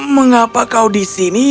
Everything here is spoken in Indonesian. mengapa kau di sini